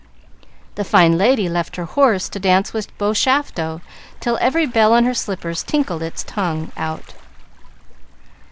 The fine lady left her horse to dance with "Bobby Shafto" till every bell on her slippers tinkled its tongue out.